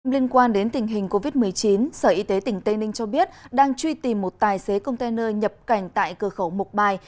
liên quan đến tình hình covid một mươi chín sở y tế tỉnh tây ninh cho biết đang truy tìm một tài xế container nhập cảnh tại cửa khẩu mộc bài